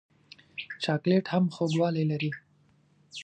چاکلېټ هم خوږوالی لري.